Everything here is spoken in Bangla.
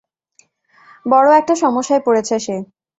বড় একটা সমস্যায় পড়েছে সে।